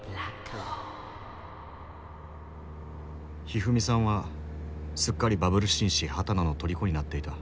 ひふみさんはすっかりバブル紳士波多野の虜になっていた。